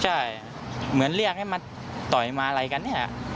ใช่เหมือนเรียกให้มาต่อยมาอะไรกันเนี่ย